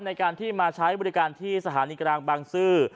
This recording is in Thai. ในการที่มาใช้บริการที่สถานีกลางบางซื่อ